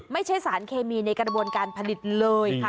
ไม่ใช่สารเคมีในกระบวนการผลิตเลยค่ะ